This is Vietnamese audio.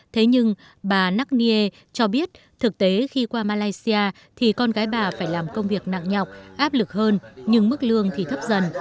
thế nhưng bà nuckyer cho biết thực tế khi qua malaysia thì con gái bà phải làm công việc nặng nhọc áp lực hơn nhưng mức lương thì thấp dần